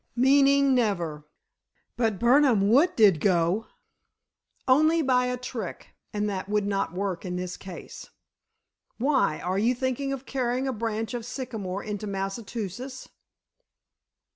"Meaning never." "But Birnam Wood did go." "Only by a trick, and that would not work in this case. Why, are you thinking of carrying a branch of sycamore into Massachusetts?"